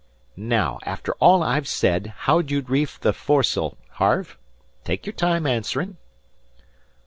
Now, after all I've said, how'd you reef the foresail, Harve? Take your time answerin'."